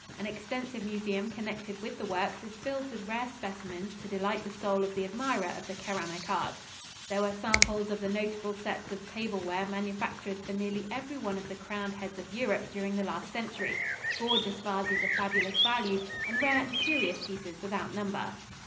An extensive museum connected with the works is filled with rare specimens to delight the soul of the admirer of the keramic art. There were samples of the notable sets of tableware manufactured for nearly every one of the crowned heads of Europe during the last century, gorgeous vases of fabulous value, and rare and curious pieces without number.